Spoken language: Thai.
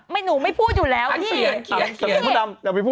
ไม่หนูไม่พูดอยู่แล้วพี่